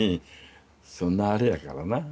そんなアレやからな